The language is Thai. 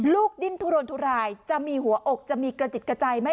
ดิ้นทุรนทุรายจะมีหัวอกจะมีกระจิตกระจายไหม